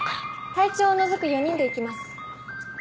隊長を除く４人で行きます。